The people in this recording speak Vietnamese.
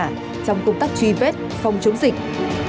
trong công tác truy vết phòng chống dịch